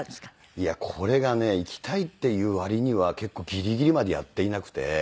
いやこれがね行きたいっていう割には結構ギリギリまでやっていなくて。